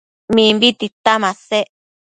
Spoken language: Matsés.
Mimbi tita masec